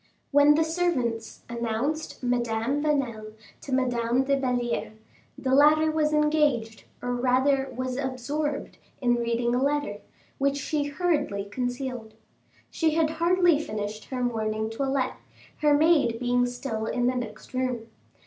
When the servants announced Madame Vanel to Madame de Belliere, the latter was engaged, or rather was absorbed, in reading a letter, which she hurriedly concealed. She had hardly finished her morning toilette, her maid being still in the next room.